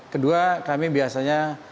kedua kami biasanya